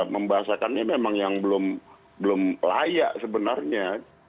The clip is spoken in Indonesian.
membahasakannya memang yang belum layak sebenarnya